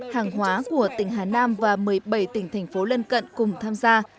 hàng hóa của tỉnh hà nam và một mươi bảy tỉnh thành phố lân cận cùng tham gia